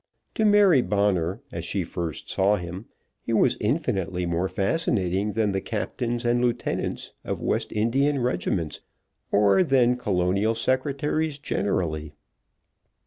To Mary Bonner, as she first saw him, he was infinitely more fascinating than the captains and lieutenants of West Indian regiments, or than Colonial secretaries generally.